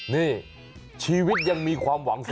นี่ชีวิตยังมีความหวัง